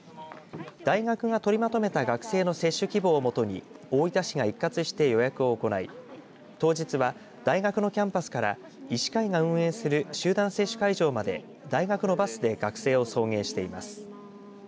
大学が取りまとめた学生の接種希望をもとに大分市が一括して予約を行い当日は、大学のキャンパスから医師会が運営する集団接種会場まで大学のバスで学生を送迎しています。